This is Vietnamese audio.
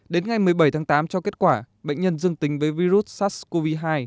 đến ngày một mươi bảy tháng tám cho kết quả bệnh nhân dương tính với virus sars cov hai